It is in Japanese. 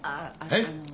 えっ？